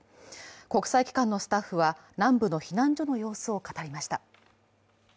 国際機関のスタッフは南部の避難所の様子を語りました。